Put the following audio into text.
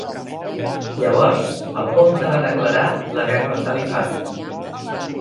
Llavors el comte va declarar la guerra al califat.